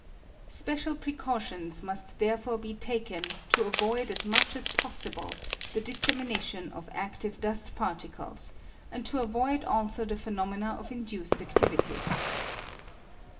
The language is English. Special precautions must therefore be taken to avoid as much as possible the dissemination of adive dust particles, and to avoid also the phenomena of induced adivity.